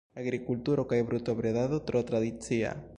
Agrikulturo kaj brutobredado tro tradicia.